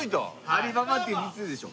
アリババっていう店でしょ？